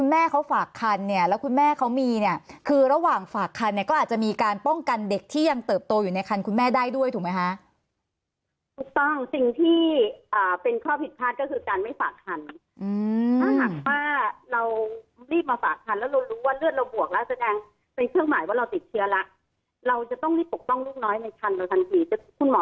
พี่แม่เขาฝากคันและคุณแม่เขามีคือระหว่างฝากคันก็อาจจะมีการป้องกันเด็กที่ยังเติบโตอยู่ในคันคุณแม่ได้ด้วยถูกไหมฮะ